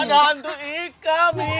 ada hantu ika mi